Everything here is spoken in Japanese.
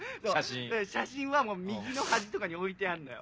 写真は右の端とかに置いてあんのよ。